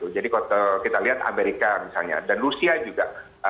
jadi kalau kita lihat amerika misalnya dan rusia juga